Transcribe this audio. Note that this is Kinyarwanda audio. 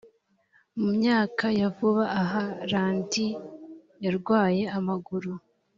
mu myaka ya vuba aha randi yarwaye amaguru